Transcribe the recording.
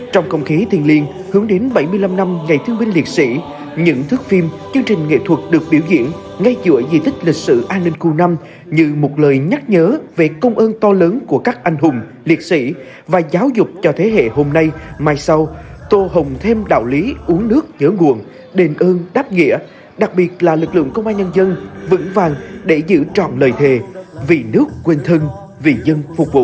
trong không khí thiền liền hướng đến bảy mươi năm năm ngày thương binh liệt sĩ những thước phim chương trình nghệ thuật được biểu diễn ngay giữa dị tích lịch sử an ninh khu năm như một lời nhắc nhớ về công ơn to lớn của các anh hùng liệt sĩ và giáo dục cho thế hệ hôm nay mai sau tô hồng thêm đạo lý uống nước nhớ nguồn đền ơn đáp nghĩa đặc biệt là lực lượng công an nhân dân vững vàng để giữ trọn lời thề vì nước quên thân vì dân phục vụ